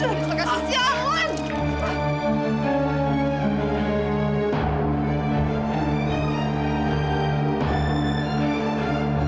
terima kasih siang